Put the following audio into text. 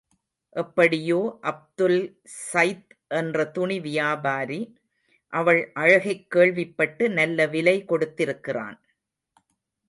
எப்படியோ, அப்துல்சைத் என்ற துணி வியாபாரி அவள் அழகைக் கேள்விப்பட்டு, நல்லவிலை கொடுத்திருக்கிறான்.